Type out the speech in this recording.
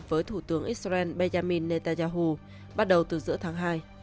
với thủ tướng israel benjamin netanyahu bắt đầu từ giữa tháng hai